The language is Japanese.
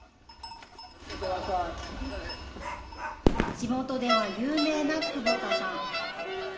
地元では有名な久保田さん。